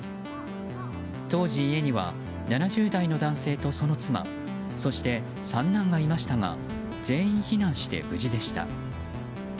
当時、家には７０代の男性とその妻そして三男がいましたが全員避難して無事でした。